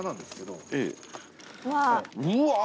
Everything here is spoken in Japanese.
うわ！